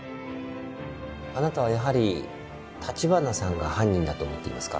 あなたはやはり橘さんが犯人だと思っていますか？